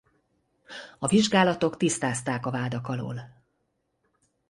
A vizsgálatok tisztázták a vádak alól.